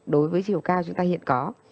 đối với chiều cao chúng ta hiện có